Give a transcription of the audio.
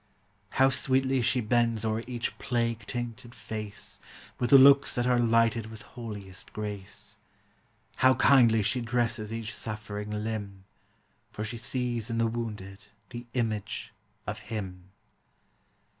How sweetly she bends o'er each plague tainted face, With looks that are lighted with holiest grace; How kindly she dresses each suffering limb, For she sees in the wounded the image of Him.